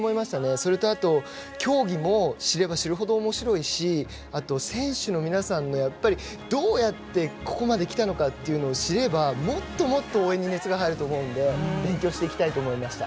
それと、競技も知れば知るほどおもしろいしあと、選手の皆さんがどうやってここまできたのかというのを知ればもっともっと応援に熱が入ると思うので勉強したいと思いました。